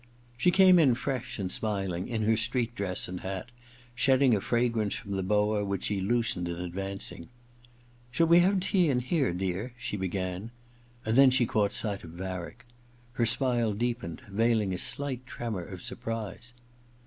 She came in fresh and smiling, in her street dress and hat, shedding a fragrance from the boa which she loosened in advancing. * Shall we have tea in here, dear ?' she began ; and then she caught sight of Varick. Her smile deepened, veUing a slight tremor of surprise.